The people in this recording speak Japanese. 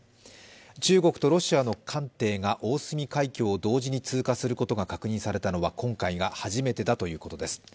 中国とロシアの艦艇が大隅海峡を同時に通過することが確認されたのは今回が初めてだということです。